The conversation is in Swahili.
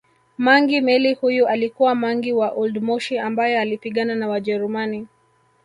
Mangi Meli huyu alikuwa mangi wa oldmoshi ambaye alipigana na wajerumani